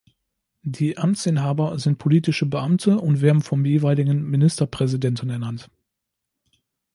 Die Amtsinhaber sind politische Beamte und werden vom jeweiligen Ministerpräsidenten ernannt.